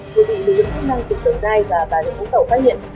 như bị lực lượng chức năng từ tương đai và ba đường hỗn cẩu phát hiện